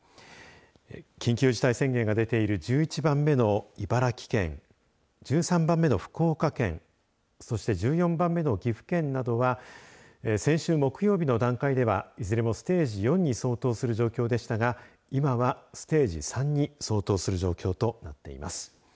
緊急事態宣言が出ている１１番目の茨城県１３番目の福岡県そして１４番目の岐阜県などは先週の木曜日の段階ではいずれもステージ４に相当する状況でしたが今はステージ３に相当する状況となっています。